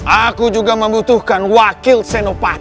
aku juga membutuhkan wakil senopati